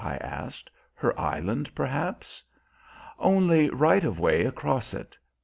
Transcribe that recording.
I asked. "Her island, perhaps?" "Only right of way across it.